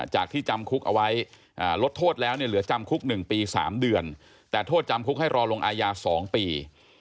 จากที่จำคุกเอาไว้ลดโทษแล้วเนี่ยเหลือจำคุก๑ปี๓เดือนแต่โทษจำคุกให้รอลงอาญา๒ปี